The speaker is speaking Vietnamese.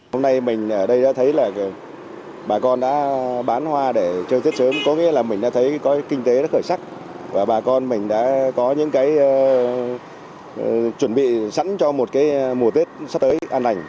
hôm nay mình ở đây đã thấy là bà con đã bán hoa để chơi rất sớm có nghĩa là mình đã thấy có kinh tế rất khởi sắc và bà con mình đã có những cái chuẩn bị sẵn cho một cái mùa tết sắp tới an lành